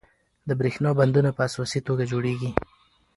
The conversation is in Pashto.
د بریښنا بندونه په اساسي توګه جوړیږي.